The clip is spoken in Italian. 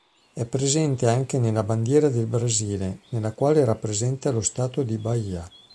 È presente anche nella bandiera del Brasile, nella quale rappresenta lo stato di Bahia..